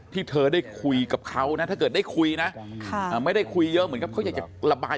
ที่เธอได้คุยกับเขานะถ้าเกิดได้คุยนะไม่ได้คุยเยอะเหมือนกับเขาอยากจะระบาย